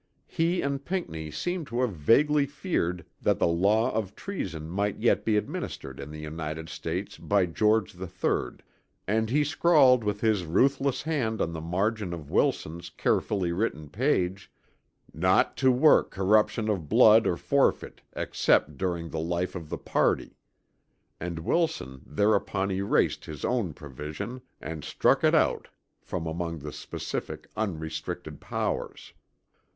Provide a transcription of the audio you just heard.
He and Pinckney seem to have vaguely feared that the law of treason might yet be administered in the United States by George III and he scrawled with his ruthless hand on the margin of Wilson's carefully written page, "Not to work corruption of Blood or Forfeit except during the life of the party"; and Wilson thereupon erased his own provision and struck it out from among the specific, unrestricted powers.